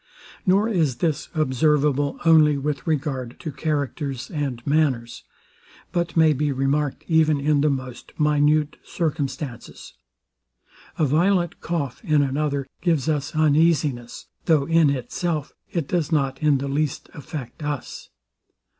Nor is this observable only with regard to characters and manners, but may be remarked even in the most minute circumstances. A violent cough in another gives us uneasiness; though in itself it does not in the least affect us.